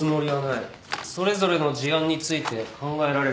それぞれの事案について考えられる法律上の問題点